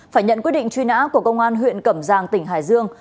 phải nhận quyết định truy nã của công an huyện cẩm giang tỉnh hải dương